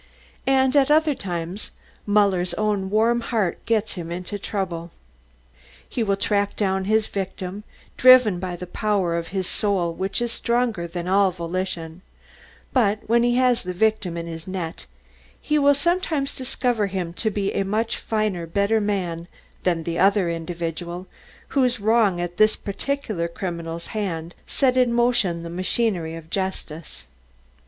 And at other times, Muller's own warm heart gets him into trouble. He will track down his victim, driven by the power in his soul which is stronger than all volition; but when he has this victim in the net, he will sometimes discover him to be a much finer, better man than the other individual, whose wrong at this particular criminal's hand set in motion the machinery of justice.